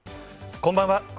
こんばんは。